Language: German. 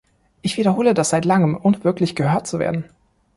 Ich wiederhole das seit langem, ohne wirklich gehört zu werden.